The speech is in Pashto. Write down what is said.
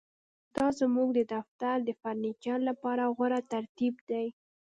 دا زموږ د دفتر د فرنیچر لپاره غوره ترتیب دی